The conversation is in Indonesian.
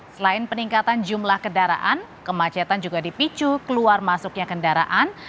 selain peningkatan jumlah kendaraan kemacetan juga dipicu keluar masuknya kendaraan